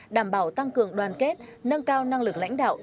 đảm bảo tăng cường đoàn kết nâng cao năng lực lãnh đạo